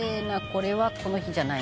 「これはこの日じゃない」